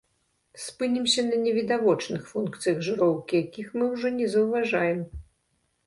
Спынімся на невідавочных функцыях жыроўкі, якіх мы ўжо не заўважаем.